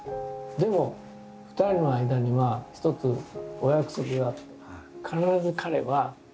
でも２人の間には一つお約束があって。